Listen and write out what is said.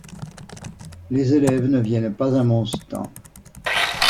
Les élèves ne viennent pas à mon stand.